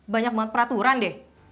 banyak banget peraturan deh